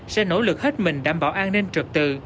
sẽ nỗ lực hết mình đảm bảo an ninh trật tự